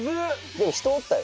でも人おったよね？